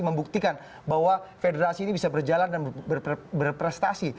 membuktikan bahwa federasi ini bisa berjalan dan berprestasi